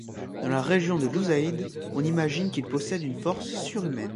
Dans la région de Luzaide, on imagine qu'il possède une force surhumaine.